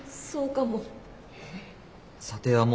そうかも。